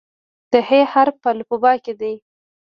د "ح" حرف په الفبا کې دی.